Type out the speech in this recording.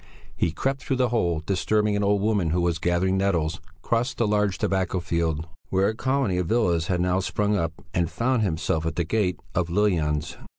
He crept through the hole, disturbing an old woman who was gathering nettles, crossed the large tobacco field where a colony of villas has now sprung up, and found himself at the gate of "Lill Jans."